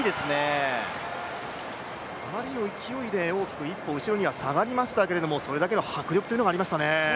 着地は勢いで大きく一歩後ろに下がりましたけど、それだけの迫力というのがありましたね。